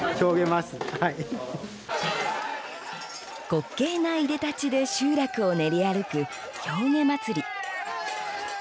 滑稽ないでたちで集落を練り歩くひょうげ祭り。